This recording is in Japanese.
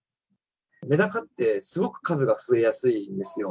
メダカって、すごく数が増えやすいんですよ。